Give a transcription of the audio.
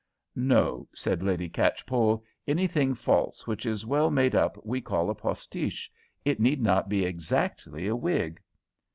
"No," said Lady Catchpole; "anything false which is well made up we call a postiche; it need not be exactly a wig."